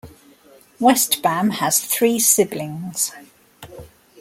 Westbam has three siblings.